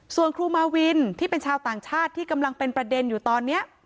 ส่วนครูมาวินที่เป็นชาวต่างชาติที่กำลังเป็นประเด็นอยู่ตอนนี้